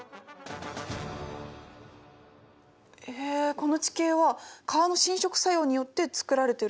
この地形は川の侵食作用によってつくられてるんですよね。